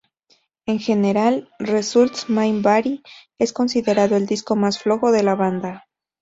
En general, "Results May Vary" es considerado el disco más flojo de la banda.